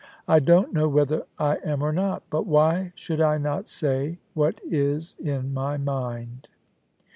* I don't know whether I am or not ; but why should I not say what is in my mind